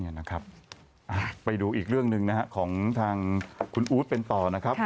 นะครับไปดูอีกเรื่องหนึ่งนะฮะของทางคุณอู๊ดเป็นต่อนะครับ